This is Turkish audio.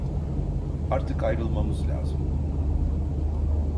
Artık ayrılmamız lazım.